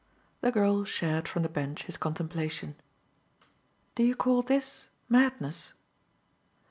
The girl shared from the bench his contemplation. "Do you call THIS madness?"